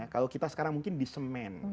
kalau kita sekarang mungkin di semen